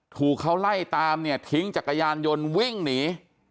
ถูกเขาไล่ตามเนี่ยทิ้งจักรยานยนต์วิ่งหนี